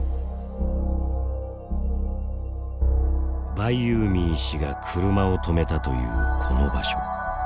バイユーミー氏が車を止めたというこの場所。